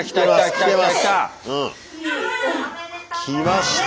きました！